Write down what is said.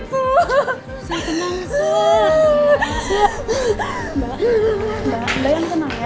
lepas tuh saya